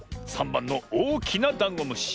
３ばんのおおきなダンゴムシ。